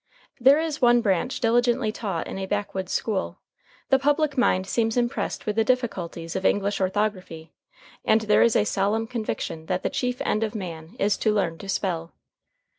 There is one branch diligently taught in a backwoods school. The public mind seems impressed with the difficulties of English orthography, and there is a solemn conviction that the chief end of man is to learn to spell.